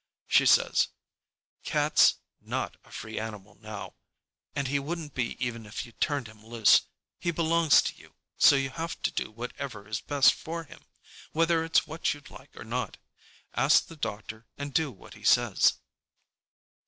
She says, "Cat's not a free wild animal now, and he wouldn't be even if you turned him loose. He belongs to you, so you have to do whatever is best for him, whether it's what you'd like or not. Ask the doctor and do what he says."